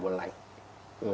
đặc biệt là chúng ta